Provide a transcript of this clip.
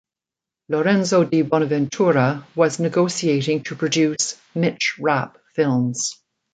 Lorenzo di Bonaventura was negotiating to produce "Mitch Rapp" films.